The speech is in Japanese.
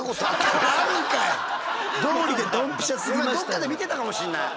ごめんどっかで見てたかもしんない。